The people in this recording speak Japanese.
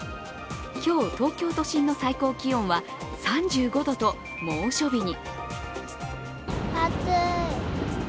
今日、東京都心の最高気温は３５度と猛暑日に。